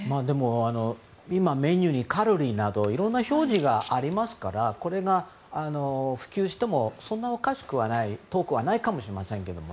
今、メニューにカロリーなどいろんな表示がありますからこれが普及してもそんなにおかしくはないかもしれないです。